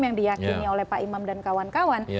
yang diyakini oleh pak imam dan kawan kawan